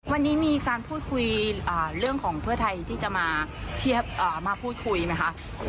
วันนี้มีการพูดคุยเรื่องของเพื่อไทยที่จะมาพูดคุยไหมคะ